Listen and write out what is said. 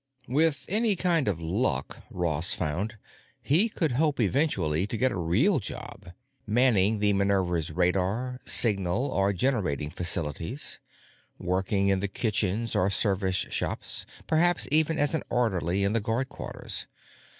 With any kind of luck, Ross found, he could hope eventually to get a real job—manning the "Minerva's" radar, signal, or generating facilities, working in the kitchens or service shops, perhaps even as an orderly in the guard quarters.